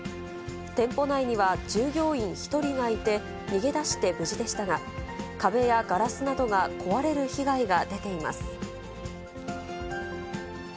店舗内には、従業員１人がいて、逃げ出して無事でしたが、壁やガラスなどが壊れる被害が出ています。